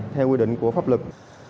theo quy định của pháp lực